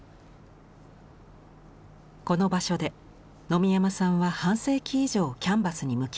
この場所で野見山さんは半世紀以上キャンバスに向き合ってきました。